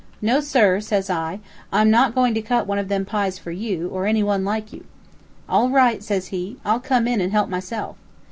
'No, sir,' says I, 'I'm not goin' to cut one of them pies for you, or any one like you.' 'All right!' says he. 'I'll come in and help myself.'